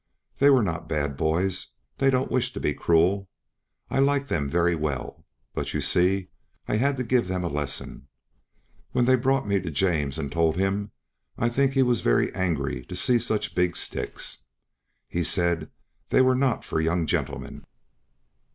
They were not bad boys; they don't wish to be cruel. I like them very well; but you see I had to give them a lesson. When they brought me to James and told him, I think he was very angry to see such big sticks. He said they were not for young gentlemen."